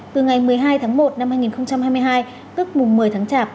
từ ngày một mươi hai tháng một năm hai nghìn hai mươi hai tức mùng một mươi tháng chạp